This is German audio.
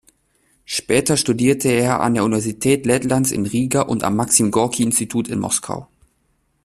Später studierte er an der Universität Lettlands in Riga und am Maxim-Gorki-Institut in Moskau.